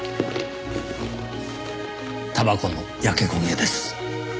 たばこの焼け焦げです。